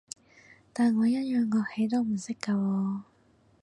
但我一樣樂器都唔識㗎喎